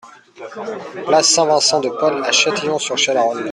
Place Saint-Vincent de Paul à Châtillon-sur-Chalaronne